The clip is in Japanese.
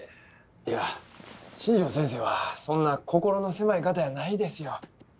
いや新城先生はそんな心の狭い方やないですよ。